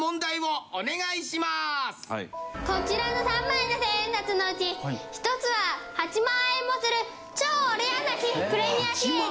こちらの３枚の千円札のうち１つは８万円もする超レアなプレミア紙幣です。